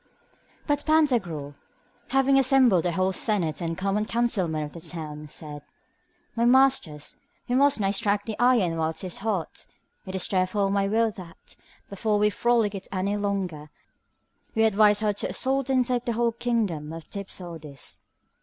But Pantagruel, having assembled the whole senate and common councilmen of the town, said, My masters, we must now strike the iron whilst it is hot. It is therefore my will that, before we frolic it any longer, we advise how to assault and take the whole kingdom of the Dipsodes.